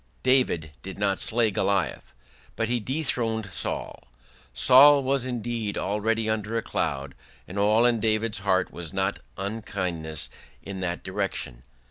David did not slay Goliath, but he dethroned Saul. Saul was indeed already under a cloud, and all in David's heart was not unkindness in that direction.